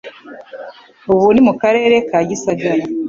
ubu ni mu Karere ka Gisagara